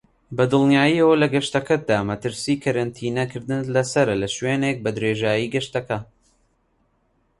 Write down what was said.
بەدڵنیاییەوە لە گەشتەکەتدا مەترسی کەرەنتینە کردنت لەسەرە لەشوێنێک بەدرێژایی گەشتەکە.